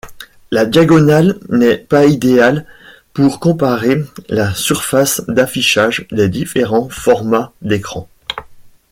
La diagonale n'est pas idéale pour comparer la surface d'affichage des différents formats d'écrans.